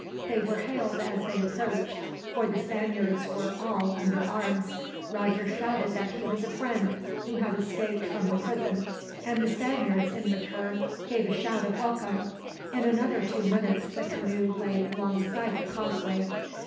They were hailed as they approached, for the Spaniards were all under arms. Roger shouted that he was a friend, who had escaped from the prison; and the Spaniards, in return, gave a shout of welcome. In another two minutes, the canoe lay alongside the causeway.